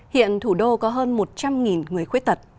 hiện thủ đô có hơn một trăm linh người khuyết tật